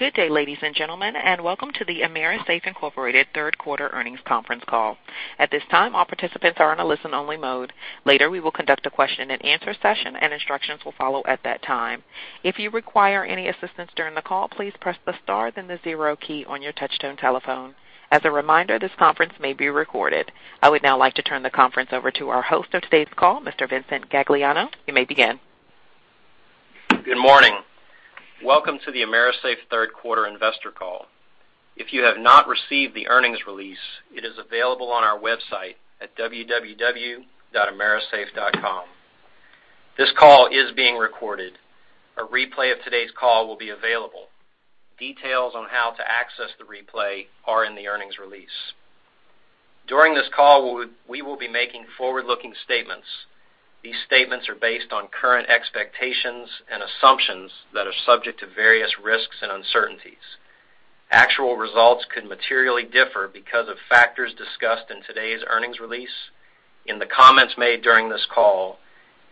Good day, ladies and gentlemen, and welcome to the AMERISAFE, Incorporated third quarter earnings conference call. At this time, all participants are in a listen-only mode. Later, we will conduct a question and answer session, and instructions will follow at that time. If you require any assistance during the call, please press the star then the zero key on your touch-tone telephone. As a reminder, this conference may be recorded. I would now like to turn the conference over to our host of today's call, Mr. Vincent Gagliano. You may begin. Good morning. Welcome to the AMERISAFE third quarter investor call. If you have not received the earnings release, it is available on our website at www.amerisafe.com. This call is being recorded. A replay of today's call will be available. Details on how to access the replay are in the earnings release. During this call, we will be making forward-looking statements. These statements are based on current expectations and assumptions that are subject to various risks and uncertainties. Actual results could materially differ because of factors discussed in today's earnings release, in the comments made during this call,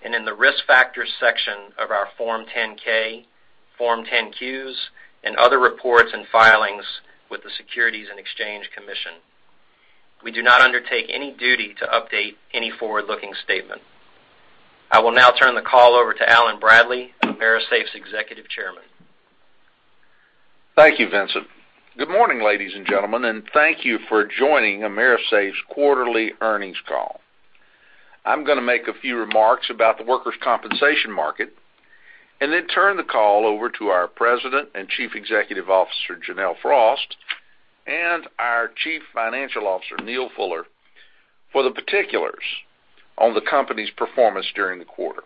and in the Risk Factors section of our Form 10-K, Form 10-Qs, and other reports and filings with the Securities and Exchange Commission. We do not undertake any duty to update any forward-looking statement. I will now turn the call over to Allen Bradley, AMERISAFE's Executive Chairman. Thank you, Vincent. Good morning, ladies and gentlemen, thank you for joining AMERISAFE's quarterly earnings call. I'm going to make a few remarks about the workers' compensation market and then turn the call over to our President and Chief Executive Officer, Janelle Frost, and our Chief Financial Officer, Neal Fuller, for the particulars on the company's performance during the quarter.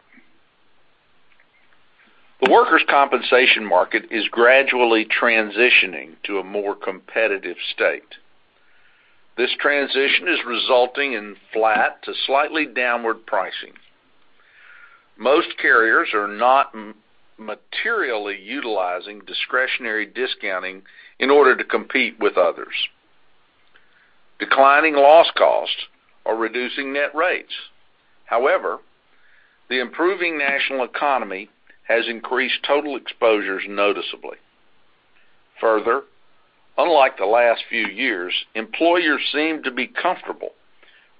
The workers' compensation market is gradually transitioning to a more competitive state. This transition is resulting in flat to slightly downward pricing. Most carriers are not materially utilizing discretionary discounting in order to compete with others. Declining loss costs are reducing net rates. However, the improving national economy has increased total exposures noticeably. Further, unlike the last few years, employers seem to be comfortable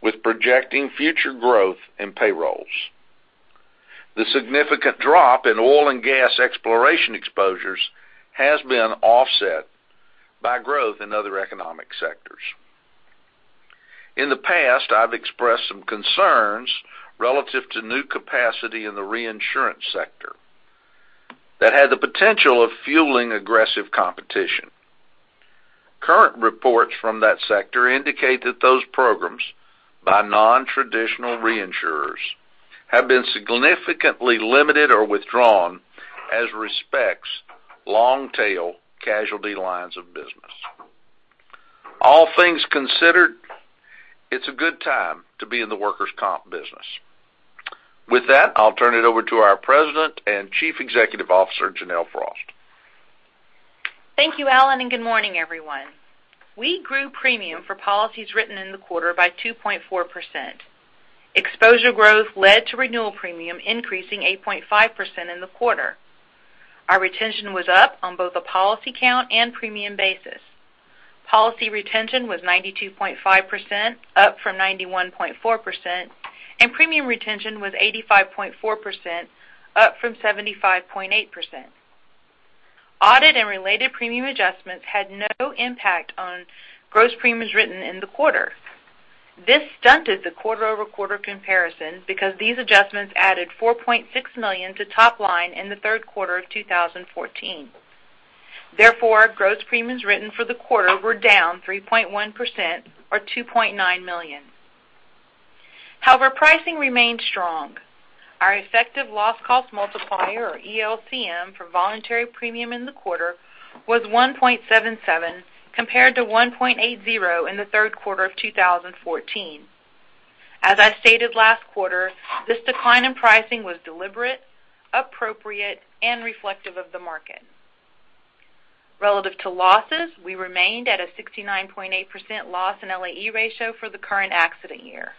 with projecting future growth in payrolls. The significant drop in oil and gas exploration exposures has been offset by growth in other economic sectors. In the past, I've expressed some concerns relative to new capacity in the reinsurance sector that had the potential of fueling aggressive competition. Current reports from that sector indicate that those programs by non-traditional reinsurers have been significantly limited or withdrawn as respects long-tail casualty lines of business. All things considered, it's a good time to be in the workers' comp business. With that, I'll turn it over to our President and Chief Executive Officer, Janelle Frost. Thank you, Allen, and good morning, everyone. We grew premium for policies written in the quarter by 2.4%. Exposure growth led to renewal premium increasing 8.5% in the quarter. Our retention was up on both a policy count and premium basis. Policy retention was 92.5%, up from 91.4%, and premium retention was 85.4%, up from 75.8%. Audit and related premium adjustments had no impact on gross premiums written in the quarter. This stunted the quarter-over-quarter comparison because these adjustments added $4.6 million to top line in the third quarter of 2014. Therefore, gross premiums written for the quarter were down 3.1%, or $2.9 million. However, pricing remained strong. Our effective loss cost multiplier, or ELCM, for voluntary premium in the quarter was 1.77, compared to 1.80 in the third quarter of 2014. As I stated last quarter, this decline in pricing was deliberate, appropriate and reflective of the market. Relative to losses, we remained at a 69.8% loss in LAE ratio for the current accident year.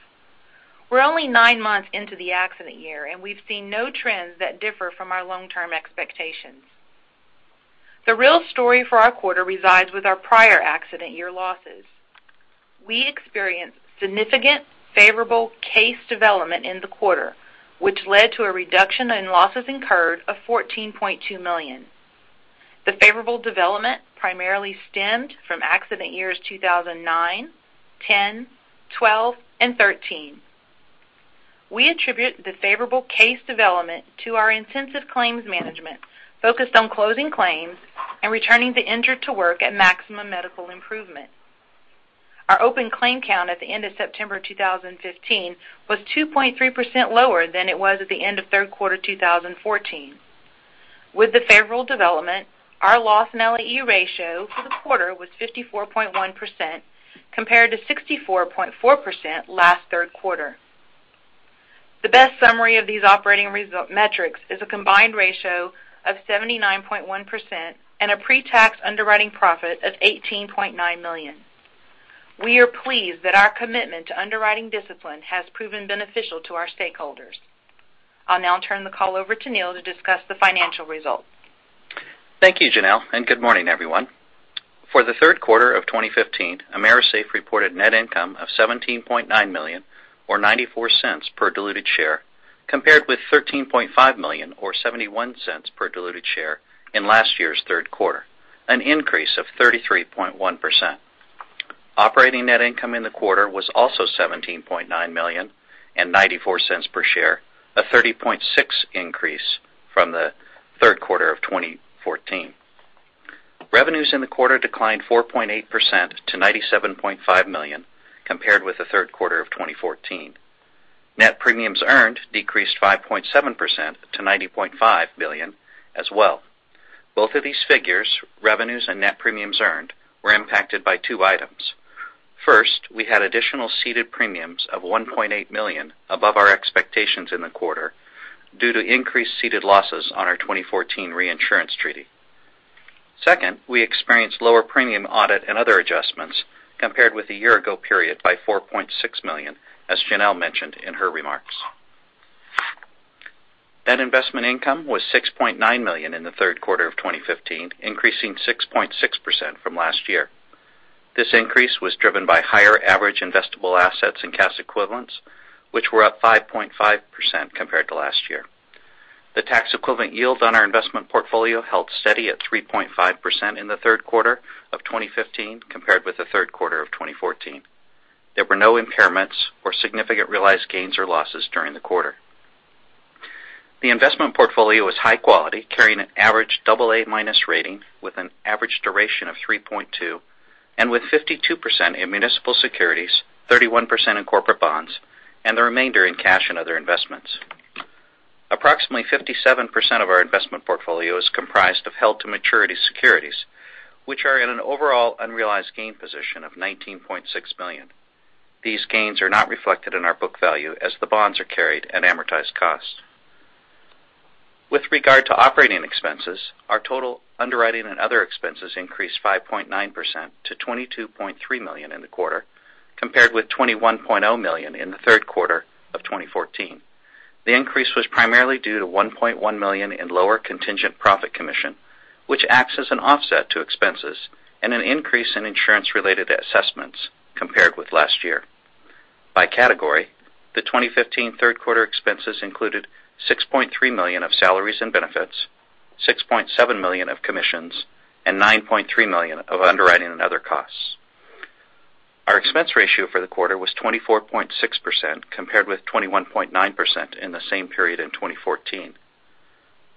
We're only nine months into the accident year, and we've seen no trends that differ from our long-term expectations. The real story for our quarter resides with our prior accident year losses. We experienced significant favorable case development in the quarter, which led to a reduction in losses incurred of $14.2 million. The favorable development primarily stemmed from accident years 2009, 2010, 2012, and 2013. We attribute the favorable case development to our intensive claims management focused on closing claims and returning the injured to work at maximum medical improvement. Our open claim count at the end of September 2015 was 2.3% lower than it was at the end of third quarter 2014. With the favorable development, our loss in LAE ratio for the quarter was 54.1%, compared to 64.4% last third quarter. The best summary of these operating result metrics is a combined ratio of 79.1% and a pre-tax underwriting profit of $18.9 million. We are pleased that our commitment to underwriting discipline has proven beneficial to our stakeholders. I'll now turn the call over to Neal to discuss the financial results. Thank you, Janelle, and good morning, everyone. For the third quarter of 2015, AMERISAFE reported net income of $17.9 million, or $0.94 per diluted share, compared with $13.5 million or $0.71 per diluted share in last year's third quarter, an increase of 33.1%. Operating net income in the quarter was also $17.9 million and $0.94 per share, a 30.6% increase from the third quarter of 2014. Revenues in the quarter declined 4.8% to $97.5 million compared with the third quarter of 2014. Net premiums earned decreased 5.7% to $90.5 million as well. Both of these figures, revenues and net premiums earned, were impacted by two items. First, we had additional ceded premiums of $1.8 million above our expectations in the quarter due to increased ceded losses on our 2014 reinsurance treaty. We experienced lower premium audit and other adjustments compared with the year-ago period by $4.6 million, as Janelle mentioned in her remarks. Net investment income was $6.9 million in the third quarter of 2015, increasing 6.6% from last year. This increase was driven by higher average investable assets and cash equivalents, which were up 5.5% compared to last year. The tax-equivalent yield on our investment portfolio held steady at 3.5% in the third quarter of 2015 compared with the third quarter of 2014. There were no impairments or significant realized gains or losses during the quarter. The investment portfolio is high quality, carrying an average double A-minus rating with an average duration of 3.2 and with 52% in municipal securities, 31% in corporate bonds and the remainder in cash and other investments. Approximately 57% of our investment portfolio is comprised of held-to-maturity securities, which are in an overall unrealized gain position of $19.6 million. These gains are not reflected in our book value as the bonds are carried at amortized cost. With regard to operating expenses, our total underwriting and other expenses increased 5.9% to $22.3 million in the quarter, compared with $21.0 million in the third quarter of 2014. The increase was primarily due to $1.1 million in lower contingent profit commission, which acts as an offset to expenses and an increase in insurance-related assessments compared with last year. By category, the 2015 third-quarter expenses included $6.3 million of salaries and benefits, $6.7 million of commissions, and $9.3 million of underwriting and other costs. Our expense ratio for the quarter was 24.6%, compared with 21.9% in the same period in 2014.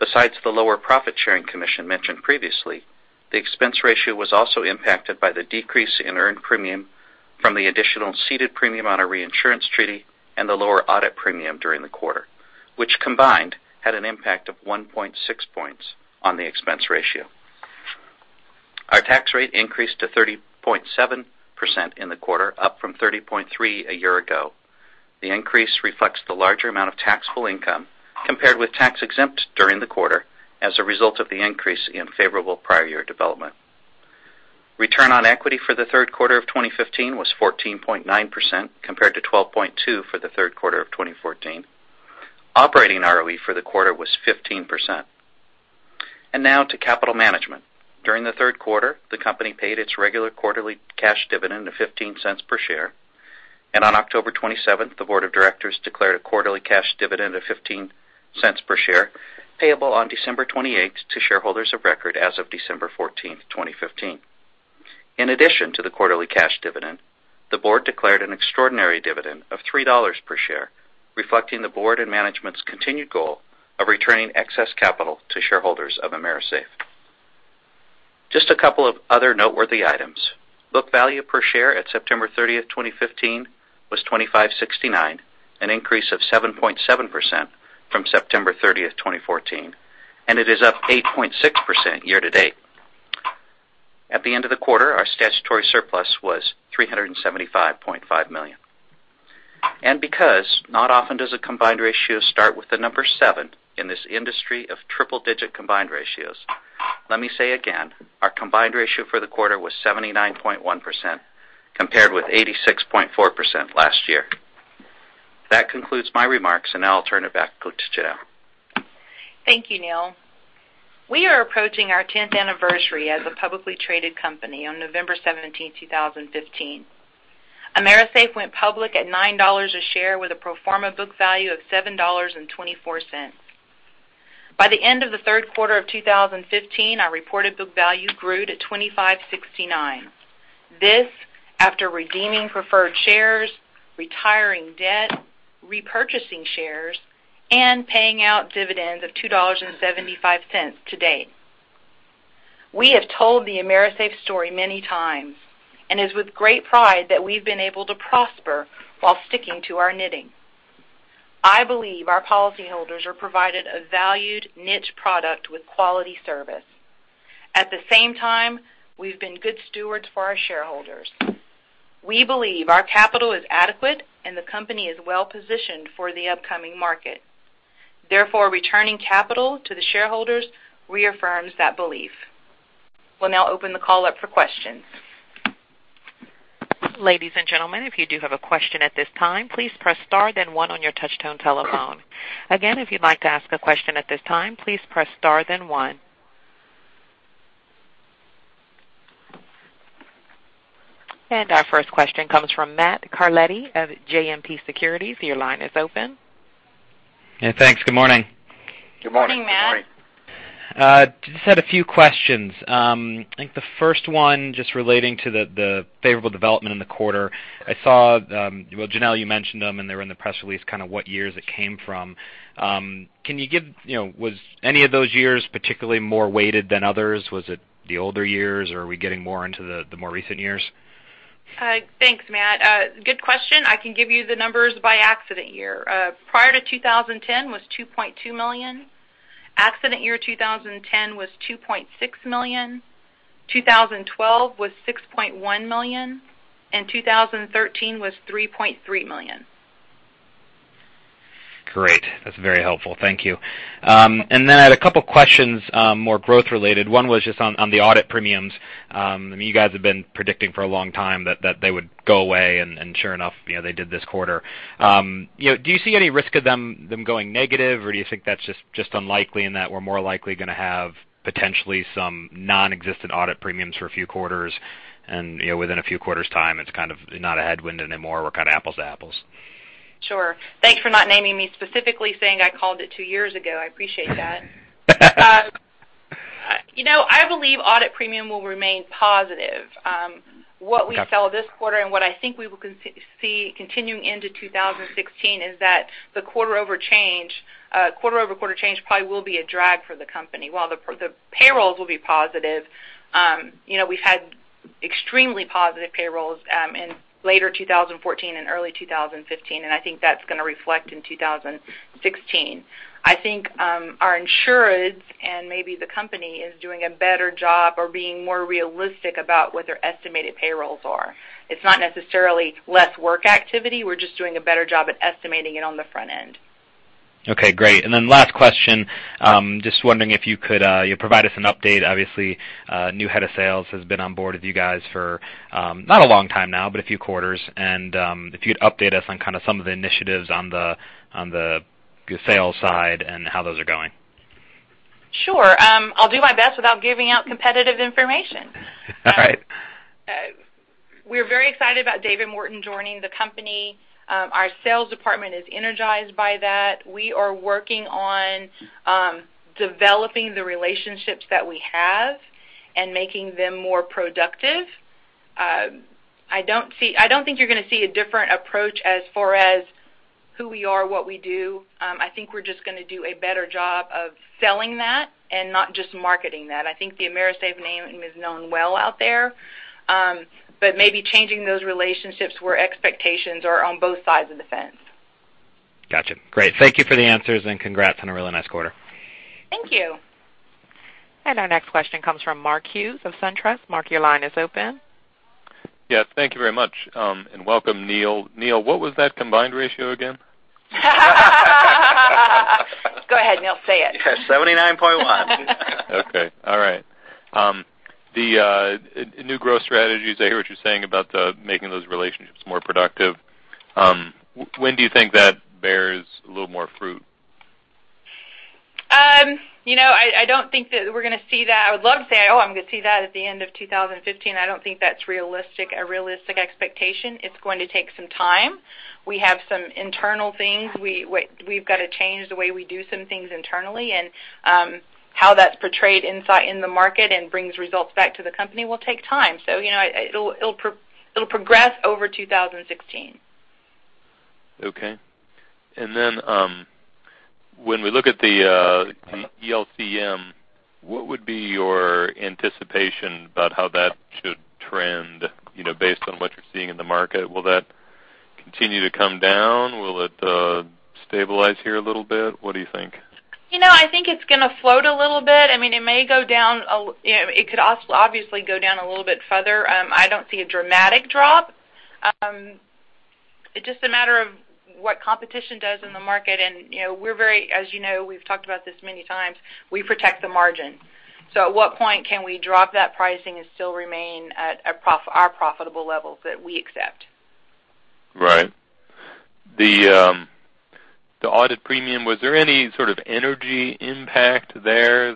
Besides the lower profit-sharing commission mentioned previously, the expense ratio was also impacted by the decrease in earned premium from the additional ceded premium on our reinsurance treaty and the lower audit premium during the quarter, which combined had an impact of 1.6 points on the expense ratio. Our tax rate increased to 30.7% in the quarter, up from 30.3% a year ago. The increase reflects the larger amount of taxable income compared with tax-exempt during the quarter as a result of the increase in favorable prior year development. Return on equity for the third quarter of 2015 was 14.9%, compared to 12.2% for the third quarter of 2014. Operating ROE for the quarter was 15%. Now to capital management. During the third quarter, the company paid its regular quarterly cash dividend of $0.15 per share. On October 27th, the board of directors declared a quarterly cash dividend of $0.15 per share, payable on December 28th to shareholders of record as of December 14th, 2015. In addition to the quarterly cash dividend, the board declared an extraordinary dividend of $3 per share, reflecting the board and management's continued goal of returning excess capital to shareholders of AMERISAFE. Just a couple of other noteworthy items. Book value per share at September 30th, 2015, was $25.69, an increase of 7.7% from September 30th, 2014, and it is up 8.6% year-to-date. At the end of the quarter, our statutory surplus was $375.5 million. Because not often does a combined ratio start with the number 7 in this industry of triple-digit combined ratios, let me say again, our combined ratio for the quarter was 79.1%, compared with 86.4% last year. That concludes my remarks. Now I'll turn it back to Janelle. Thank you, Neal. We are approaching our 10th anniversary as a publicly traded company on November 17th, 2015. AMERISAFE went public at $9 a share with a pro forma book value of $7.24. By the end of the third quarter of 2015, our reported book value grew to $25.69. This after redeeming preferred shares, retiring debt, repurchasing shares, paying out dividends of $2.75 to date. We have told the AMERISAFE story many times. It is with great pride that we've been able to prosper while sticking to our knitting. I believe our policyholders are provided a valued niche product with quality service. At the same time, we've been good stewards for our shareholders. We believe our capital is adequate. The company is well-positioned for the upcoming market. Therefore, returning capital to the shareholders reaffirms that belief. We'll now open the call up for questions. Ladies and gentlemen, if you do have a question at this time, please press star then one on your touch tone telephone. Again, if you'd like to ask a question at this time, please press star then one. Our first question comes from Matthew Carletti of JMP Securities. Your line is open. Yeah, thanks. Good morning. Good morning. Good morning, Matt. Just had a few questions. I think the first one just relating to the favorable development in the quarter. I saw, well, Janelle, you mentioned them and they were in the press release, kind of what years it came from. Was any of those years particularly more weighted than others? Was it the older years or are we getting more into the more recent years? Thanks, Matt. Good question. I can give you the numbers by accident year. Prior to 2010 was $2.2 million. Accident year 2010 was $2.6 million. 2012 was $6.1 million, and 2013 was $3.3 million. Great. That's very helpful. Thank you. Then I had a couple questions, more growth related. One was just on the audit premiums. You guys have been predicting for a long time that they would go away, and sure enough, they did this quarter. Do you see any risk of them going negative, or do you think that's just unlikely and that we're more likely going to have potentially some non-existent audit premiums for a few quarters and within a few quarters' time, it's kind of not a headwind anymore. We're kind of apples to apples. Sure. Thanks for not naming me specifically saying I called it two years ago. I appreciate that. I believe audit premium will remain positive. Okay. What we saw this quarter and what I think we will see continuing into 2016 is that the quarter-over-quarter change probably will be a drag for the company. While the payrolls will be positive. We've had extremely positive payrolls in later 2014 and early 2015. I think that's going to reflect in 2016. I think our insureds and maybe the company is doing a better job or being more realistic about what their estimated payrolls are. It's not necessarily less work activity. We're just doing a better job at estimating it on the front end. Okay, great. Last question. Just wondering if you could provide us an update. Obviously, a new head of sales has been on board with you guys for not a long time now, but a few quarters. If you'd update us on kind of some of the initiatives on the sales side and how those are going. Sure. I'll do my best without giving out competitive information. All right. We're very excited about David Morton joining the company. Our sales department is energized by that. We are working on developing the relationships that we have and making them more productive. I don't think you're going to see a different approach as far as who we are, what we do. I think we're just going to do a better job of selling that and not just marketing that. I think the AMERISAFE name is known well out there. Maybe changing those relationships where expectations are on both sides of the fence. Got you. Great. Thank you for the answers, and congrats on a really nice quarter. Thank you. Our next question comes from Mark Hughes of SunTrust. Mark, your line is open. Yes. Thank you very much. Welcome, Neal. Neal, what was that combined ratio again? Go ahead, Neal, say it. 79.1. Okay. All right. The new growth strategies, I hear what you're saying about making those relationships more productive. When do you think that bears a little more fruit? I don't think that we're going to see that. I would love to say, oh, I'm going to see that at the end of 2015. I don't think that's a realistic expectation. It's going to take some time. We have some internal things. We've got to change the way we do some things internally, and how that's portrayed in the market and brings results back to the company will take time. It'll progress over 2016. Okay. When we look at the ELCM, what would be your anticipation about how that should trend based on what you're seeing in the market? Will that continue to come down? Will it stabilize here a little bit? What do you think? I think it's going to float a little bit. It could obviously go down a little bit further. I don't see a dramatic drop. It's just a matter of what competition does in the market, and as you know, we've talked about this many times, we protect the margin. At what point can we drop that pricing and still remain at our profitable levels that we accept? Right. The audit premium, was there any sort of energy impact there?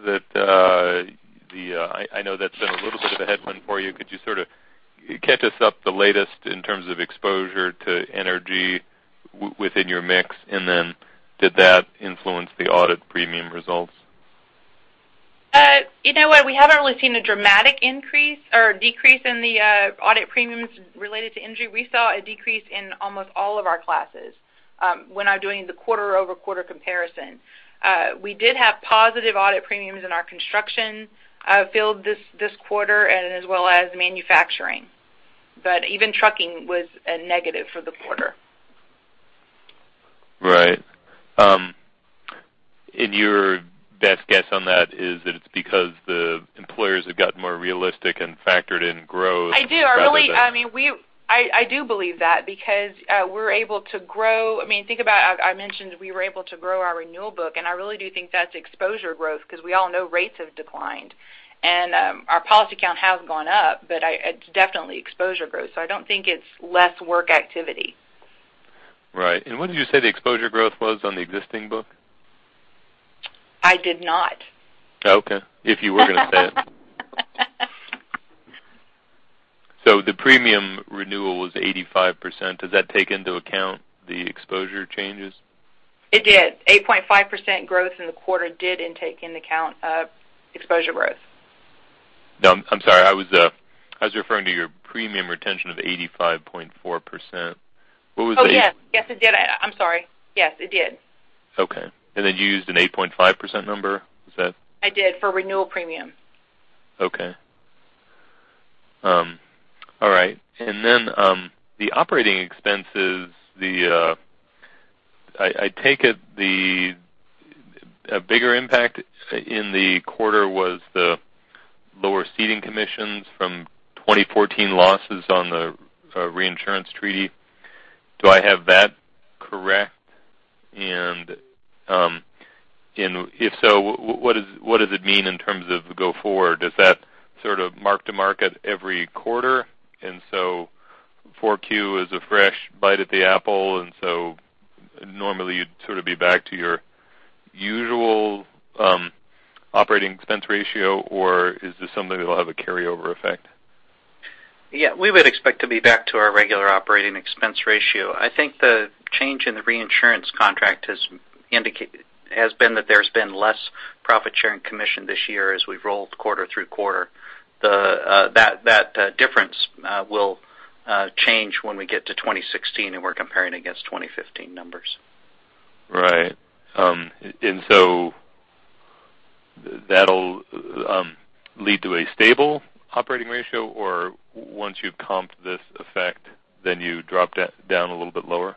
I know that's been a little bit of a headwind for you. Could you sort of catch us up the latest in terms of exposure to energy within your mix, and then did that influence the audit premium results? You know what? We haven't really seen a dramatic increase or decrease in the audit premiums related to energy. We saw a decrease in almost all of our classes when I'm doing the quarter-over-quarter comparison. We did have positive audit premiums in our construction field this quarter and as well as manufacturing. Even trucking was a negative for the quarter. Right. Best guess on that is that it's because the employers have gotten more realistic and factored in growth rather than- I do. I do believe that because we're able to grow. Think about, I mentioned we were able to grow our renewal book, and I really do think that's exposure growth because we all know rates have declined. Our policy count has gone up, but it's definitely exposure growth. I don't think it's less work activity. Right. What did you say the exposure growth was on the existing book? I did not. Okay. If you were going to say it. The premium renewal was 85%. Does that take into account the exposure changes? It did. 8.5% growth in the quarter did take into account exposure growth. No, I'm sorry. I was referring to your premium retention of 85.4%. What was the- Oh, yes. Yes, it did. I'm sorry. Yes, it did. Okay. You used an 8.5% number? Is that I did, for renewal premium. Okay. All right. The operating expenses, I take it a bigger impact in the quarter was the lower ceding commissions from 2014 losses on the reinsurance treaty. Do I have that correct? If so, what does it mean in terms of the go forward? Does that sort of mark to market every quarter and so 4Q is a fresh bite at the apple and so normally you'd sort of be back to your usual operating expense ratio, or is this something that'll have a carryover effect? We would expect to be back to our regular operating expense ratio. I think the change in the reinsurance contract has been that there's been less profit sharing commission this year as we've rolled quarter through quarter. That difference will change when we get to 2016 and we're comparing against 2015 numbers. Right. That'll lead to a stable operating ratio, or once you've comped this effect, then you drop down a little bit lower?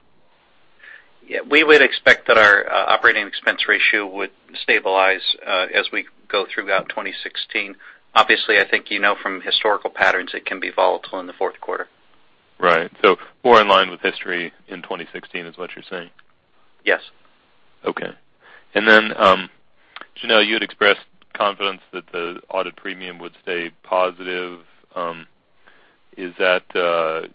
We would expect that our operating expense ratio would stabilize as we go throughout 2016. Obviously, I think you know from historical patterns, it can be volatile in the fourth quarter. Right. More in line with history in 2016 is what you're saying? Yes. Okay. Janelle, you had expressed confidence that the audit premium would stay positive. Is that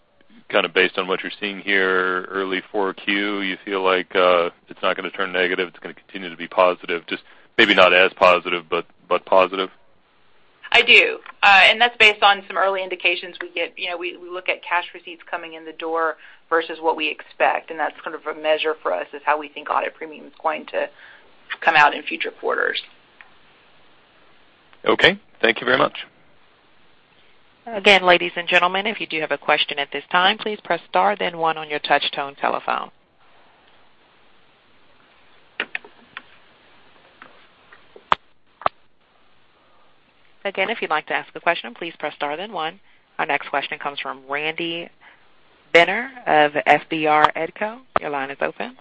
kind of based on what you're seeing here early 4Q? You feel like it's not going to turn negative, it's going to continue to be positive, just maybe not as positive, but positive? I do. That's based on some early indications we get. We look at cash receipts coming in the door versus what we expect, and that's kind of a measure for us is how we think audit premium is going to come out in future quarters. Okay. Thank you very much. Again, ladies and gentlemen, if you do have a question at this time, please press star then one on your touch tone telephone. Again, if you'd like to ask a question, please press star then one. Our next question comes from Randy Binner of FBR & Co. Your line is open.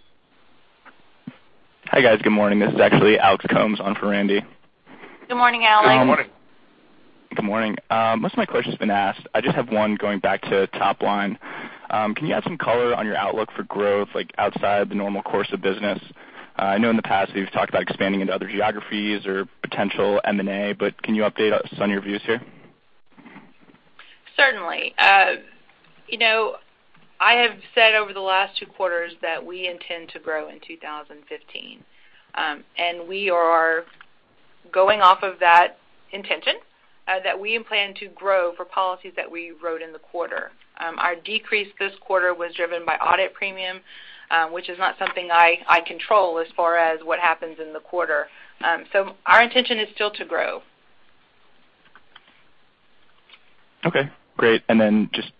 Hi, guys. Good morning. This is actually Alex Combs on for Randy. Good morning, Alex. Good morning. Good morning. Most of my question's been asked. I just have one going back to top line. Can you add some color on your outlook for growth, like outside the normal course of business? I know in the past you've talked about expanding into other geographies or potential M&A, but can you update us on your views here? Certainly. I have said over the last two quarters that we intend to grow in 2015. We are going off of that intention, that we plan to grow for policies that we wrote in the quarter. Our decrease this quarter was driven by audit premium, which is not something I control as far as what happens in the quarter. Our intention is still to grow. Okay, great. Then just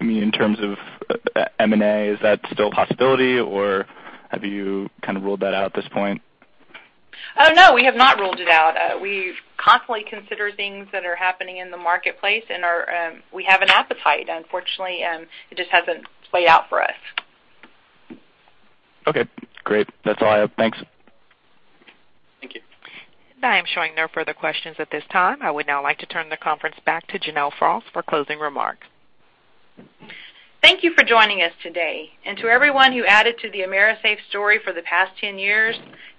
in terms of M&A, is that still a possibility or have you kind of ruled that out at this point? No, we have not ruled it out. We constantly consider things that are happening in the marketplace, and we have an appetite. Unfortunately, it just hasn't played out for us. Okay, great. That's all I have. Thanks. Thank you. I am showing no further questions at this time. I would now like to turn the conference back to Janelle Frost for closing remarks. Thank you for joining us today. To everyone who added to the AMERISAFE story for the past 10 years,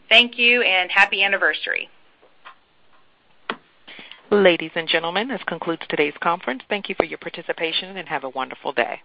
thank you and happy anniversary. Ladies and gentlemen, this concludes today's conference. Thank you for your participation and have a wonderful day.